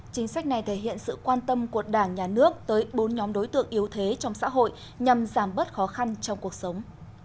chính sách này thể hiện sự quan tâm của đảng nhà nước tới bốn nhóm đối tượng yếu thế trong xã hội nhằm giảm bớt khó khăn trong cuộc sống